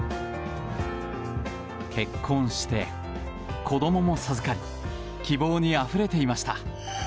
結婚して、子供も授かり希望にあふれていました。